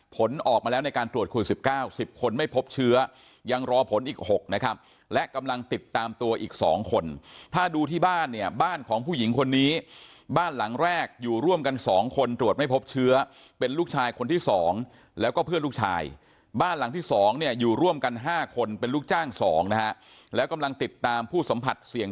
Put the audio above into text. ผลออกมาแล้วในการตรวจโควิด๑๙๑๐คนไม่พบเชื้อยังรอผลอีก๖นะครับและกำลังติดตามตัวอีก๒คนถ้าดูที่บ้านเนี่ยบ้านของผู้หญิงคนนี้บ้านหลังแรกอยู่ร่วมกัน๒คนตรวจไม่พบเชื้อเป็นลูกชายคนที่๒แล้วก็เพื่อนลูกชายบ้านหลังที่๒เนี่ยอยู่ร่วมกัน๕คนเป็นลูกจ้าง๒นะฮะแล้วกำลังติดตามผู้สัมผัสเสี่ยง